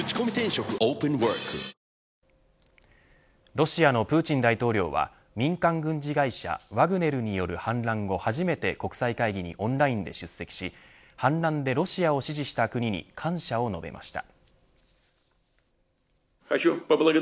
ロシアのプーチン大統領は民間軍事会社ワグネルによる反乱後初めて国際会議にオンラインで出席し反乱でロシアを支持した国に感謝を述べました。